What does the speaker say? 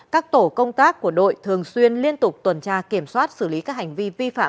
các tổ công tác của đội thường xuyên liên tục tuần tra kiểm soát xử lý các hành vi vi phạm